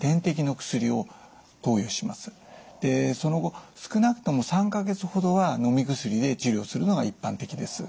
でその後少なくとも３か月ほどはのみ薬で治療するのが一般的です。